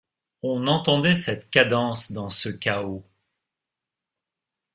On entendait cette cadence dans ce chaos.